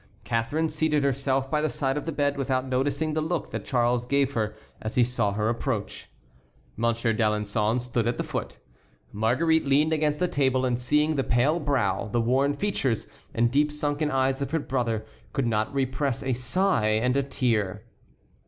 Catharine seated herself by the side of the bed without noticing the look that Charles gave her as he saw her approach. Monsieur d'Alençon stood at the foot. Marguerite leaned against a table, and seeing the pale brow, the worn features, and deep sunken eyes of her brother, could not repress a sigh and a tear.